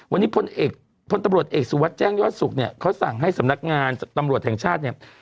วันนี้พลเอกพลตำรวจเอกสุวัสดิแจ้งยอดสุขเนี่ยเขาสั่งให้สำนักงานตำรวจแห่งชาติเนี่ย